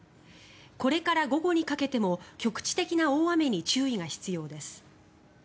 これから午後にかけても局地的な大雨に注意が必要です。